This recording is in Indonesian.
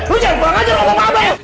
lu jangan kurang ajar orang orang abang ya